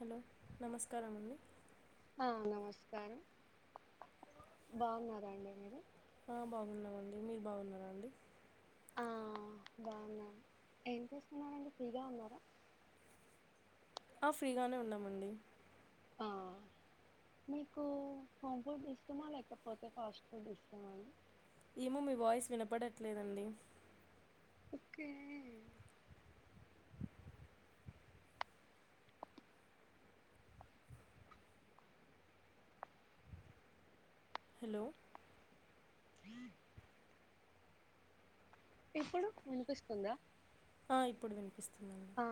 Hello నమస్కారమండి ఆ నమస్కారం బాగున్నారండి మీరు ఆ బాగున్నామండి మీరు బాగున్నారా అండి. ఆ దాన్నా ఎం చేసున్నారండి ఫ్రీగా ఉన్నారా? ఆ ఫ్రీగానే ఉన్నామండి. ఆ మీకు హోమ్ ఫుడ్ ఇస్టమా, లేకపోతే ఫాస్ట్ ఫుడ్ ఇస్టమా అండి. ఏమో మీ వాయిస్ వినపడట్లేదండి. ఓకే హలో హ ఇప్పుడు వినిపిస్తుందా? ఆ ఇప్పుడు వినిపిస్తుంది. ఆ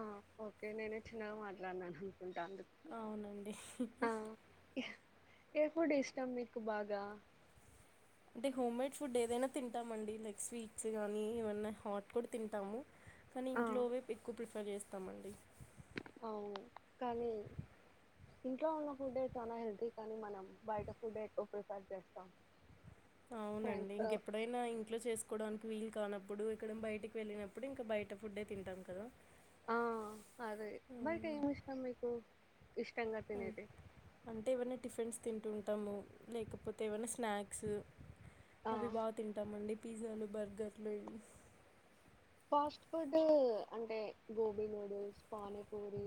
ఓకే నేనే చిన్నగా మాట్లాడినాను. అనుకుంటా అందుకు అవునండి హుహు ఎప్పుడు ఇష్టం మీకు బాగా అంటే హోమ్ మేడ్ ఫుడ్ ఏదైనా తింటామండి. లైక్ స్వీట్స్ గానీ, ఏమన్నా హాట్ కూడా తింటాము. కానీ ఆ ఇంట్లోవే ఎక్కువ ప్రిప్ చేస్తామండి. అవును కానీ ఇంట్లో ఉన్న ఫుడే చాలా హెల్తీ కానీ మనం బయట ఫుడ్ ఎక్కువ ప్రిఫర్ చేస్తాం. అవునండి ఫ్రెండ్స్ తో ఇంకెప్పుడైనా ఇంట్లో చేసుకు వండుకోవడానికి వీల్ కానప్పుడు ఇక్కడ బయటికి వెళ్ళినప్పుడు ఇంకా బయట ఫుడ్డే తింటాం కదా. ఆ అదే బయట ఉమ్, ఏం ఇష్టం మీకు ఇష్టంగా తినేది అంటే ఏవన్న టిఫిన్స్ తింటూ ఉంటాము లేకపోతే ఏమైనా స్నాక్స్ ఆ అవి బా తింటామండి పిజ్జాలు బర్గర్లు ఇవి ఫాస్ట్ ఫుడ్ అంటే గోబీ నూడుల్స్ పానీపూరి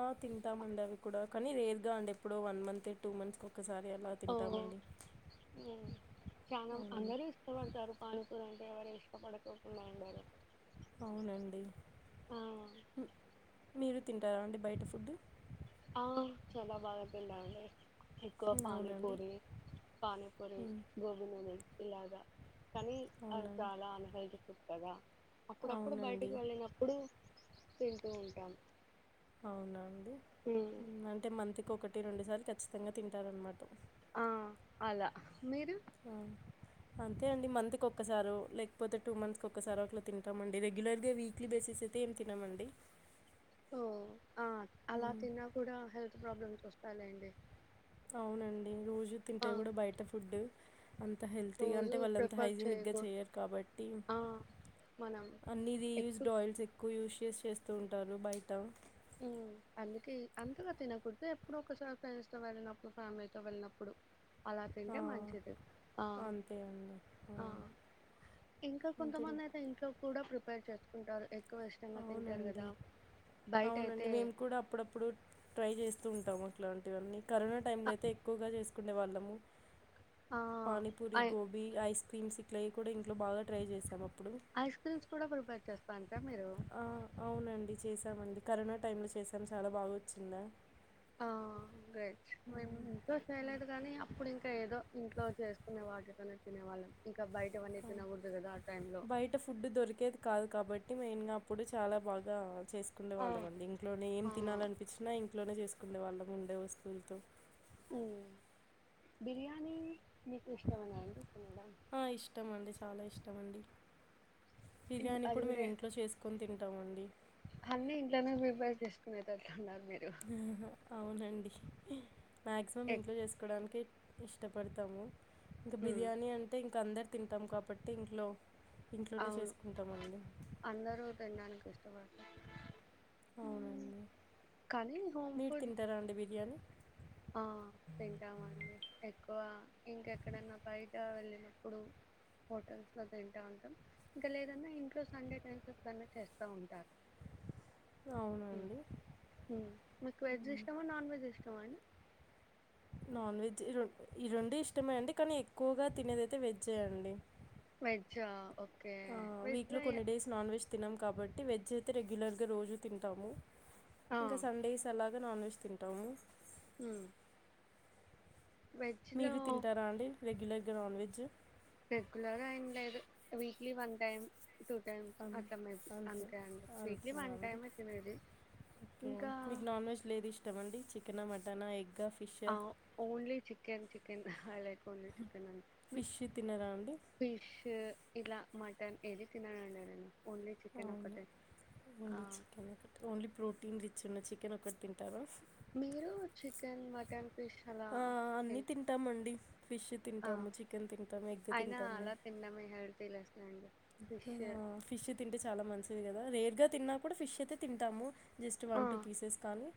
ఆ తింటామండి అవి కూడా కానీ రేర్గా అండి ఎప్పుడో వన్ మంత్ టూ మంత్స్ కి ఒక ఓ చాలా అవునండి అందరూ ఇష్టపడతారు పానీపురి ఎవరు ఇష్టపడకోకుండా ఉండరు అవునండి ఆ మీరు తింటారా అండి బయట ఫుడ్ ఆ చాలా బాగా తిండా అండి ఎక్కువ అవునండి పానీపూరి పనీపూరి ఉమ్, గోబి న్యూడిల్స్ ఇలాగా కానీ అ అవునండి చాలా అన్ హెల్త్ ఫు కదా? అప్పుడప్పుడు అవునండి బయటికి వెళ్ళినప్పుడు తింటూ ఉంటాం అవునవును ఉమ్ అంటే మంత్ కి ఒకట్ ఒకటీ రెండుసార్లు ఖచ్చితంగా తింటారన్నమాట ఆ అలా మీరు ఆ, అంతే అండి మంత్ కి ఒక్కసారో లేకపోతే టూ మంత్స్ ఒక్కసారో అట్లా తింటామండి రెగ్యులర్గా వీక్లీ బేసిస్ అయితే ఏం తినమండి ఓ ఆ అలా ఉమ్, తిన్నా కూడా హెల్త్ ప్రాబ్లమ్స్ వస్తాలేండి మ్ అవునండి రోజు తింటే కూడా బయట ఫుడ్ అంత హెల్తీగా అంటే రోజు వాళ్ళు అంత ప్రిఫర్ హైజెనిక్ గా చేయకు చెయ్యరు కాబట్టి ఆ మనం అన్నీ ఎప్పుడు రియూస్డ్ ఆయిల్స్ ఎక్కువ యూస్ చేసి చేస్తూ ఉంటారు బయట అందుకే అంతగా తినకూడదు ఎప్పుడు ఒకసారి ఫ్రెండ్స్ తో వెళ్ళినప్పుడు ఫ్యామిలీతో వెళ్ళినప్పుడు అలా ఆ, తింటే మంచిది ఆ అంతే అండి ఆ ఇంకా ఇంకేం కొంతమంది అయితే ఇంట్లో కూడా బెటర్ ఇంకా కష్టంగా తింటారు అవునండి కదా బై అవునండి మేము కూడా అప్పుడప్పుడు ట్రై చేస్ స్తుంటాము ఇట్లాంటివన్నీ కరోనా టైంలో అయితే ఎక్కువగా చేస్ కునే వాళ్ళము ఆ పనీపూరి ఐ గోభీ ఐస్ పిన్స్ ఇట్లయి కూడా ఇంట్లో బాగా ట్రై చేసాము అప్ ఐస్ క్రీమ్స్ కూడా ప్రీపేర్ చేస్ ఆ అవునండి చేసి స్తామండి కరోనా టైమ్ంలో చేసాము చాలా బాగోచ్చిందా ఆ గై మేం ఇంకో ఉమ్. సెలర్ కానీ అప్పుడు ఇంకా ఏదో ఇంట్లో చేసుకునే వాటితోనే తినేవాళ్ళం ఇంకా బయటవన్నీ తినకూడదు కదా ఆ టైమ్ లో ట్టి మైన్గ ఇప్పుడు చాలా బాగా చేసుకుండే ఆ వాళ్ళం అండి ఇంట్లోనే ఏం ఆ తినాలనిపించినా ఇం ఇంట్లోనే చేసుకుండే వాళ్ళం ఉండే వస్తువులతో హ్మ్ బిర్యానీ నీ మీకు ఇష్టమనా అండి తినడం మండి ఇన్ బిర్యానీ కూడా మేము ఇంట్లో చేసుకొని తిం టమండీ అన్ని ఇంట్లోనే ప్రిపర్ చేసుకునేటట్లు ఉన్నారు ఆహా అవునండి మాక్సిమం ఎక్ ఇంట్లో చేసుకోవడానికి ఇష్టపడతాము ఇంకా ఉమ్ బిర్యానీ అంటే ఇంక అందరు తింటాం కాబట్టి ఇంట్లొ అవును అందరూ తిన్డానిక ష్టమండి అవునండి హోమ్ మీరు ఫుడ్ తింటరా అండి బిర్యాని ఆ తింటామండి ఎక్కువ ఇంక ఎక్కడన్న బయట వెళ్ళినప్పుడు హోటల్స్ లొ తింటా ఉంటం ఇంక లేదన్న ఇంట్లొ సండె టైమ్స్ లొ కర్రీ చేస్తా ఉంటారు అవునండి మీకు వెజ్ ఉమ్. ఇష్టమా నాన్ వెజ్ ఇష్టమా అండి నాన్ వెజ్ ఈ రెండ్ ఈ రెండు ఇష్టమే అండి కానీ ఎక్కువగా తినేదైతే వెజ్జే అండి వెజ్జా ఆ ఓక్ ఆ వీక్ లొ కొన్ని డేస్ నాన్ వెజ్ తినం కాబట్టి వెజ్ అయ్తె రెగ్యులర్గ రోజు తింటాము ఆ ఇంగ సండేస్ అలా ద నాన్ వెజ్ తింటాము ఊ మీరు తింటారా అండి రెగ్యులర్ గ నాన్ వెజ్జు రెగ్యులర్ ఏం లేదు వీక్లీ వన్ టైం అం అంతె వీక్లీ అంతేనా వన్ అండి టైమే తినేది ఒకే ఇంకా మీక్ నాన్ వెజ్ లేద్ ఇష్టమ అండి చికె క్కెన మటన ఎగ్ ఆ ఓన్లీ చికెన్ చిక్ కెనా లేద్ ఓన్లీ చికెన్ విత్ ఫిష్ తినరా అండి ఫిష్ ఇర మటన్ ఏది తిననండి నేను ఓన్లీ చికెన్ అవ్ను ఒకటే ఆ only chicken only protein rich చిన్న చికెన్ ఒకట్ తింటారా మీరూ చికెన్ మటన్ ఫిష్ అలా ఆ అన్ని తిన్ తింటామండి ఫిష్ ఆ! తింటాము చికెన్ తింటాము ఎగ్ అయినా తింటాము అలా తినడమే హెల్తీ లెస్ అండి. ఆ ఫిష్ ఫిష్ తింటె చాల మంత్స్ ది కదా రేర్గ తిన్నా కూడ ఫిష్ అయితే తింటాము జస్ట్ ఆ! వన్ టు పీసెస్ కాని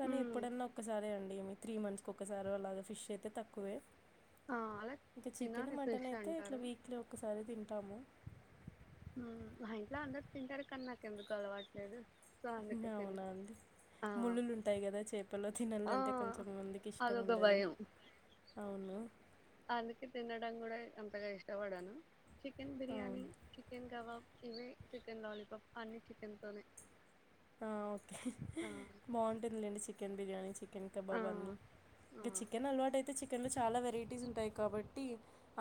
కాని హ్మ్. ఎప్పుడన్న ఒక్కసారే అండి ఏమి త్రీ మంత్స్ కోక్కసారో అలాగ ఫిష్ అయితె తక్కువే ఆ! అలా ఇంక చికెన్ తినాలి మటన్ ఫిష్ అయితే ఇట్ల అంటారు. వీక్లి ఒక్కసారె తింట్ తామో మా ఇంట్లొ అందర్ తింటారు కాన్ నాకెందుకొ అలవాట్లేదు సో, అందుకే తిన అవునా అండి ఆ! ముళ్ళులు ఉంటయ్ కద చేపలొ ఆ! తినల్లంటె కొంచెం మందికి ఇష్టం అదొక ఉండదు అవును అందుకె తినడం కూడ అంతగా ఇష్టపడను చిక్ చికెన్ బిర్యానీ అవును. చికెన్ కబబ్ ఇవి చికెన్ లాలీపప్ అన్నీ చికెన్ తనే అ ఓకే బాగుంటుందిలేండి చికెన్ బిరియాని చికన్ ఇంక ఆ! కబాబా ని ఆ! ఇంక చికెన్ అలవాటు అయితే చికెన్లో చాలా వెరైటీస్ ఉంటాయి కాబట్టి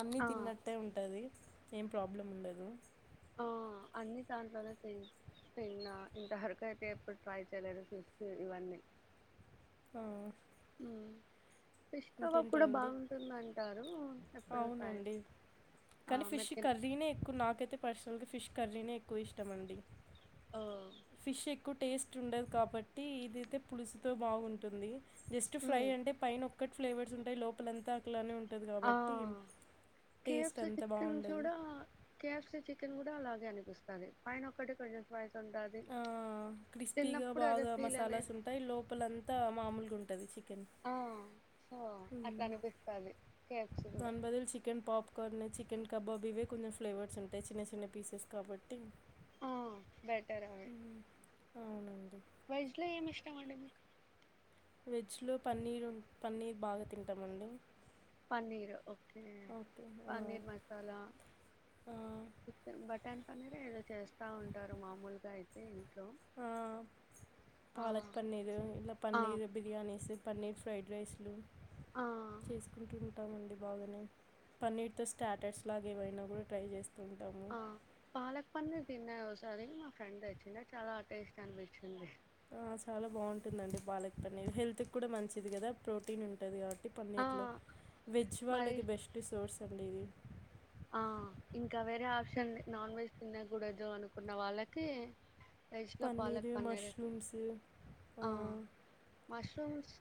అన్ని ఆ! తిన్నట్టే ఉంటది ఏం ప్రాబ్లం ఉండదు ఆ అన్ని దాంట్లోనే తి తిన్నా ఇంతవరకుయితే ఎప్పుడు ట్రై చేయలేదు ఫిష్ ఇవన్నీ ఆ ఫిష్ కవా కూడా ఇంకేంటండి? బాగుంటుంది అంటారు ఎప్పుడు తయ అవునండి. ఆ కానీ ఫిష్ మెకిన్ కర్రీనే ఎక్కువ నాకైతే ఫిష్ కర్రీనే ఎక్కువ ఇష్టం అండి ఓ ఫిష్ ఎక్ ఎక్కువ టేస్ట్ ఉండదు కాబట్టి ఇదైతే పులుసుతో బాగుంటుంది జస్ట్ ఫ్రై అంటే పైన ఒ క్కటి ఫ్లేవర్స్ ఉంటాయి లోపలంతా అట్లనే ఉం ఆ కే ఎఫ్ సి అంత చిక్కెన్ బావుండదు. కూడా కే ఎఫ్ సి చికెన్ కూ అలాగే అనిపిస్తాది పైన ఒక్కటి కొంచెం ఉంటది ఆ క్రిస్పీగా తిన్నప్పుడు అదే బాగా ఫీల్ మసాలాస్ అనేది ఉంటాయి లోపలంతా మామూలుగా ఉం టది చిక్ కెన్ ఆ సో అట్లా అనిపిస్తాది కే ఎఫ్ సి కూడా కొన్ని చికెన్ కబాబీవే కొంచెం ఫ్లేవర్స్ ఉంటాయి చిన్న చిన్న పీసెస్ కాబట్టి ఆ బెటర్ అవి హ్మ్. అవునండి వెజ్ లో ఏమి ఇష్టము అండి మీకు వెజ్లో పన్నీర్ పన్నీర్ బాగా తింటామండి పన్నీర్ ఓకే ఓకే. ఆ! పన్నీర్ మసాలా ఆ! చికెన్ బ టన్ పనిరో ఏదో చేస్తా ఉంటారు మామూలుగా అయితే ఇం ఆ పాలక్ పన్నీరు ఇలా ఆ పన్నీరు బిర్యానీస్ పన్నీర్ ఫ్రైడ్ రైస్లు ఆ చేసుకుంటున్ టా ఉండి బాగానే పన్నీర్తో స్టాటర్స్ లాగా ఏమైనా కూడా ట్రై చేస్త ఆ పాలక్ పన్నీర్ తిన్నావా సారి మా ఫ్రెండ్ తెచ్చింది అది చాలా టేస్ట్ అనిపిచింది చాలా బాగుంటుందండి పాలక్ పన్నీర్ హెల్త్కి కూడా మంచిది కదా ప్రోటీన్ ఉంటది కా ఆ పన్నీర్ లో వెజ్ మరి వాళ్ళకి బెస్ట్ సోర్స్ అండి ఇవి ఆ ఇంకా వేరే ఆప్షన్ నాన్ వెజ్ తిన్నకూడదు అనుకున్న వాళ్ళకి రైస్లో పాలక్ పన్నీర్ పన్నరు మష్రూమ్స్ ఆ మష్రూమ్స్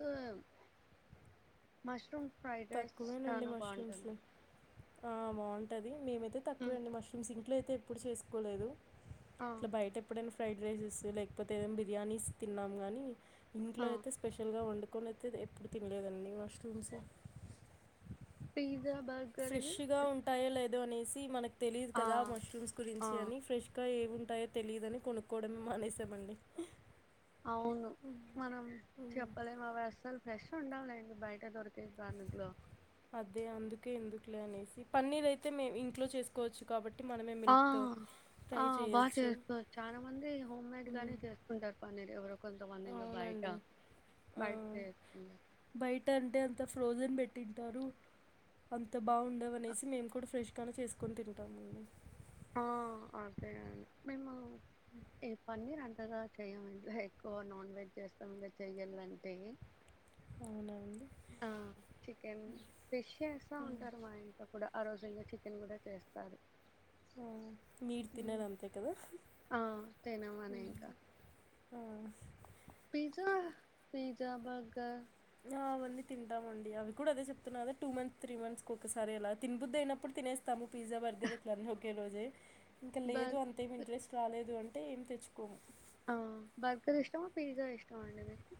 మష్రూమ్ ఫ్రైడ్ రైస్ తక్కువేనండి చాలా మష్రూమ్స్ బాగుంటుంది ఆ బాగుంటది మేమైతే తకువే అండి మష్రూమ్స్ ఇంట్లో అయి ఎప్పుడు చేసుకోలేదు ఆ ఇట్లా బయట ఎప్పుడైనా ఫ్రైడ్ రైసెస్ లేకపోతే ఏదనా బిర్యానీస్ తిన్నాము కానీ ఆ ఇంట్లో అయితే స్పెషల్ గా ఉండు కొనైతే ఎప్పుడు తినలేదండి మష్రూమ్స్ [unintelligible] ఫ్రెష్ ఇవి గా ఉంటాయి లైక్ ఏదో అనేసి మనకి తెలిదు ఆ కదా మష్రూమ్స్ ఆ గురించి అని ఫ్రెష్గా ఏమి ఉంటాయో తెలిదుని కొనుక్కోవడమే మానేసామండి అవును మనం చెప్పలేము అవి అసలు ఫ్రెష్ ాాల బయట దొ బను ే ఎందుకులే అనేసి పన్నీర అయితే మేము ఇంట్లో చేసుకోవచ్చు కాబట్టి మనమే ఆ మిల్క్తో ఫ్రై ఆ బాగా చేయొచ్చు చేసుకో చాలా మంది హోమ్ మేడ్ మ్మ్. గానే చేసుకుంటారు పని [unintelligible] కొంత వందంద అవునండి బయటా బయ అంట అంటే అంత ఫ్రోజన్ పెట్టింటారు అంత బాగుండవ అనేసి మేము కూడా ఫ్రెష్గానే చేసుకొని తింటామ అండి ఆ అదే అండి మేము ఈ పన్నీర్ అంతగా చేయము ఇంలా ఎక్కువ నాన్ వెజ్ చేస్తాము ఇంలా చెయ్యాలంటే అవునండి ఆ చికెన్ ఫిష్ చేస్తా ఉంటారు మా ఇంట్లో కూడా ఆ రోజుగా చికెన్ కూడా చేస్తారు మీీరు హ్మ్. తిన్నారూ అంతే కదా ఆ తినమని ఇంకా ఆ పిజ్జా పిజ్జా బర్గర్ అవన్నీ తింటామండి అవి కూడా అదే చెప్తున్నా కదా టూ మంత్స్ త్రీ మంత్స్ ఒకసారి ఇలా తిపుద్దు అయినప్పుడు తినేస్తాము పిజ్జా బర్గర్ ఇట్లాన్నీ ఒకే రోజే ఇంకా లేదు బర్ అంతేమి ఇంట్రెస్ట్ రాలేదు అ ఏం తెచ్చుకోము ఆ బర్గర్ ఇష్టమా పిజ్జా ఇష్టమా అండి మీకు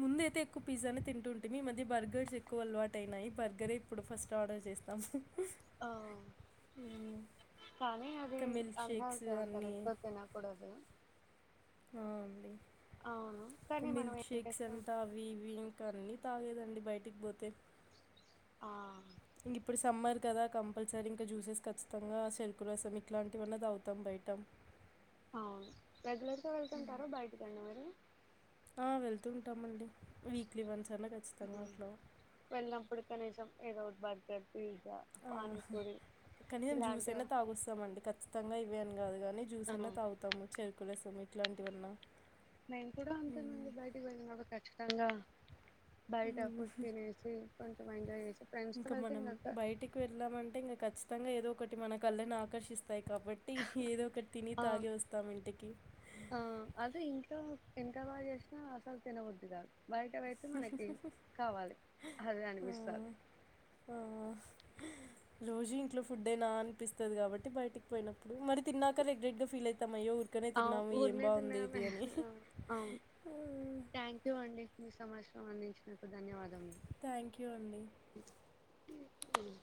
ముందు అయితే ఎక్కువ పిజ్జానే తింటుంటుే మీ ఈ మధ్య బర్గర్స్ ఎక్కువ అలవాటు అయినాయి బర్గరే ఇప్పుడు ఫస్ట్ ఆర్డర్ చేస్తాము ఆ హ్మ్. కానీ అది ఇంకా మిల్క్ షేక్స్ అన్హెల్త్ అంట అన్నీ రెక్ో తినకూడదు అవును అ కానీ మనం మిల్క్ ఏం షేక్ చేస్తాం అంతా అవి ఇవి ఇంకా తాగేదండి బయటికి పోతే ఆ ఇంక ఇప్పుడు సమ్మర్ కదా కంపల్సరీ ఇంకా జ్యూసెస్ ఖచ్చితంగా చెరుకు రసం ఇట్లాంటివివన్నది తాగుతాం బయటం అవును రెగ్యులర్గా వెళ్తుంటారా బయటికి కండి మీరు ఆ వెళ్తుూ ఉంటాం అండి వీక్లీ వన్స్ అన్నా ఖచ్చితంగా అట్లా. వెళ్నపుడు కనీసం ఏదో బర్గర్ పిజ్జా ఆ పానీపూరి కానీ మేము జ్యూస్ ఇలాంటివి అయినా తాగుొస్తామ అండి ఖచ్చితంగా ఇవనీ కాదు గాని జ్యూస్ ఆ అన్నా తాగుతాము చెరుకురసం ఇట్లాంటివన్నా నేను కూడా హ్మ్. అంతేనండి బయటకి వెళ్ళిన కూడాఖచ్చు తంగా బయ ట హ్మ్. ఫుడ్ తినేసి ఎంజాయ్ చేసి ఫ్రెండ్స్ తో ఇంకా వెళ్తే మనం ఇంకా బయటికి వెళ్ళామంటే ఇంకా ఖచ్చి తంగా ఏ దో ఒకటి మన కళ్ళని ఆకర్షిస్ స్తాయి కాబట్టి ఏదో ఒకటి తిని ఆ తాగి వస్తాం ఇంటికి ఆ అదే ఇంట్లో ఎంత బాగా చేసినా అసలు తినబుద్ధి కాదు బయట వైతే మనకి కావాలి అది ఆ! అనిపిస్తారు ఆ! రోజు ఇంట్లో ఫుడ్ డే నా అనిపిస్తది కాబట్టి బయటికి పోయినప్పుడు మరి తిన్నాక రిగ్రెట్గా ఫీల్ అవుతాం అయ్యో ఊరికనే అవ్ తిన్నాము ఏం ఊరికే బావుంది తిన్నమన ఇది అని. అవు ఆ! థ్యాంక్ యూ అండి మీ సమాచారం స్పందించినందుకు ధన్యవాదం థ్యాంక్ యూ అండి ఉమ్